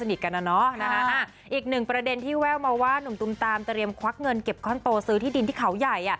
อีกหนึ่งประเด็นที่แววมาว่าหนุ่มตุมตามเตรียมควักเงินเก็บข้อนโตซื้อที่ดินที่เขาใหญ่